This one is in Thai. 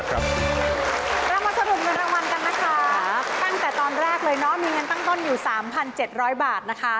ตั้งแต่ตอนแรกเลยเนอะมีเงินตั้งต้นอยู่๓๗๐๐บาทนะคะ